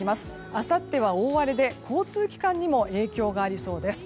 明後日は大荒れで交通機関にも影響がありそうです。